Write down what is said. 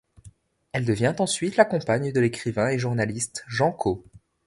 Elle devient ensuite la compagne de l'écrivain et journaliste Jean Cau.